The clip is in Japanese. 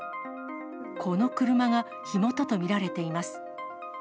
この車が火元と見られています。